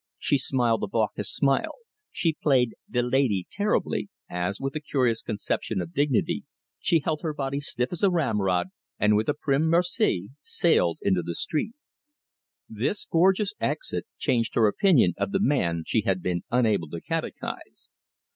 She smiled a vacuous smile; she played "the lady" terribly, as, with a curious conception of dignity, she held her body stiff as a ramrod, and with a prim merci sailed into the street. This gorgeous exit changed her opinion of the man she had been unable to catechise.